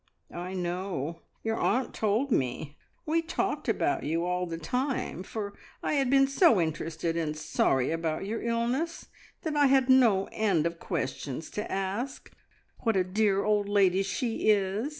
"I know; your aunt told me. We talked about you all the time, for I had been so interested and sorry about your illness, that I had no end of questions to ask. What a dear old lady she is!